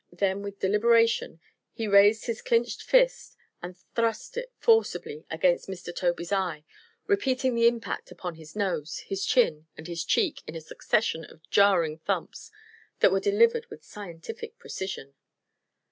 Then with deliberation he raised his clinched fist and thrust it forcibly against Mr. Tobey's eye, repeating the impact upon his nose, his chin and his cheek in a succession of jarring thumps that were delivered with scientific precision.